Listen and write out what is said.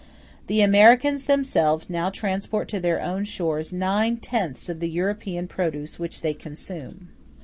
The Americans themselves now transport to their own shores nine tenths of the European produce which they consume.